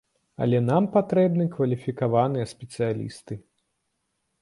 Але нам патрэбны кваліфікаваныя спецыялісты.